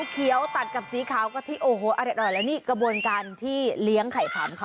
เขียวตัดกับสีขาวกะทิโอ้โหอร่อยแล้วนี่กระบวนการที่เลี้ยงไข่ผำค่ะ